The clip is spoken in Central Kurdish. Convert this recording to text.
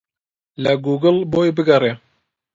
لە گووگڵ بۆی بگەڕێ.